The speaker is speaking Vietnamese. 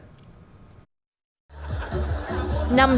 năm giờ sáng